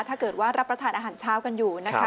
ถ้าเกิดว่ารับประทานอาหารเช้ากันอยู่นะคะ